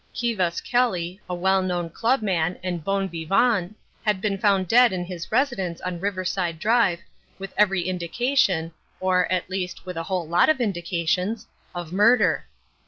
Kivas Kelly, a well known club man and bon vivant, had been found dead in his residence on Riverside Drive, with every indication or, at least, with a whole lot of indications of murder.